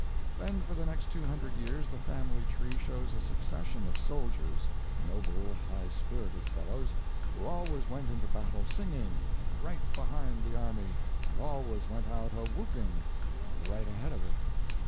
Then for the next two hundred years the family tree shows a succession of soldiers noble, high spirited fellows, who always went into battle singing, right behind the army, and always went out a whooping, right ahead of it.